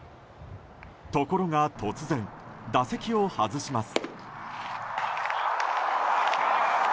ところが突然、打席を外します。